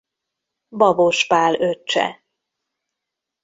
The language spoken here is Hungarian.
Babos Pál öccse.